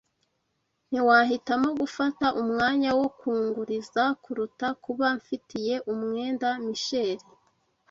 Ntiwahitamo gufata umwanya wo kunguriza kuruta kuba mfitiye umwenda Misheri